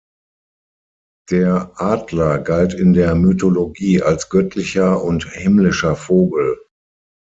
Der Adler galt in der Mythologie als göttlicher und himmlischer Vogel.